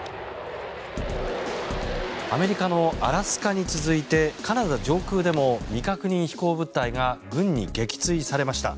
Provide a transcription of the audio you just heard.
アメリカのアラスカに続いてカナダ上空でも未確認飛行物体が軍に撃墜されました。